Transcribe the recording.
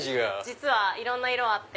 実はいろんな色あって。